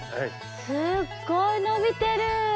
すっごい伸びてる！